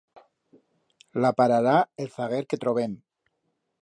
La parará el zaguer que trobem.